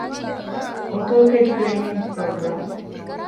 އޮޓޯކެޑް ޓްރެއިނިންގ ޕްރޮގްރާމް